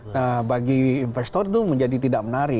nah bagi investor itu menjadi tidak menarik